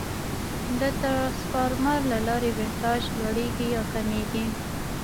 د ترانسفارمر له لارې ولټاژ لوړېږي یا کمېږي.